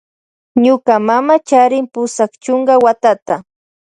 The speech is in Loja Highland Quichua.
Ñuka mama charin pusak chuka watata.